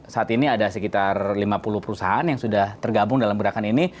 saat ini ada sekitar lima puluh perusahaan yang sudah tergabung dalam gerakan ini